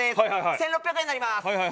１６００円になります。